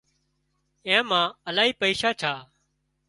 اين مان الاهي پئيشا ڇا